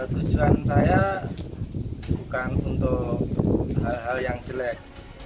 tujuan saya bukan untuk hal hal yang jelek